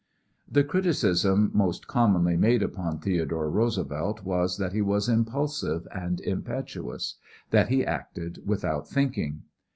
The criticism most commonly made upon Theodore Roosevelt was that he was impulsive and impetuous; that he acted without thinking.